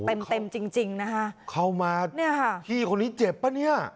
โอ้โหเต็มจริงนะฮะเข้ามานี่ค่ะพี่คนนี้เจ็บป่ะเนี่ย